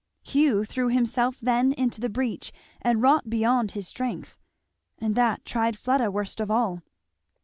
Hugh threw himself then into the breach and wrought beyond his strength; and that tried Fleda worst of all.